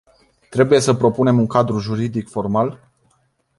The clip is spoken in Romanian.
Trebuie să propunem un cadru juridic formal?